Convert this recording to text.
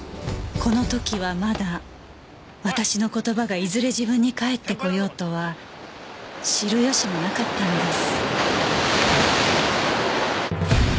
この時はまだ私の言葉がいずれ自分に返ってこようとは知る由もなかったのです